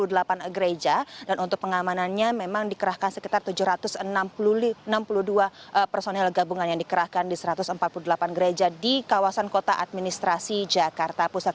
ada delapan gereja dan untuk pengamanannya memang dikerahkan sekitar tujuh ratus enam puluh dua personil gabungan yang dikerahkan di satu ratus empat puluh delapan gereja di kawasan kota administrasi jakarta pusat